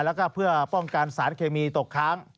แล้วก็เพื่อป้องกันสารเคมีตกค้าง